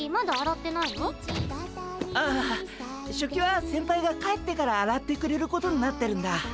ああ食器は先輩が帰ってからあらってくれることになってるんだ。